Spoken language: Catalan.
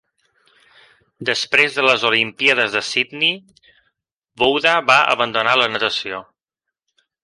Després de les Olimpíades de Sidney, Wouda va abandonar la natació.